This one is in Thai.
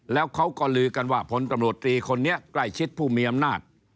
แล้วเขาก็ลือกันว่าผลตำรวจตรีคนนี้ใกล้ชิดผู้มีอำนาจ